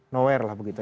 nowhere lah begitu